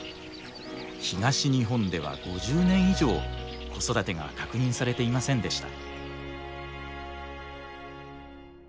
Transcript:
東日本では５０年以上子育てが確認されていませんでした。